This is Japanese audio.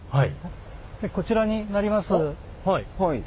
こちらになります。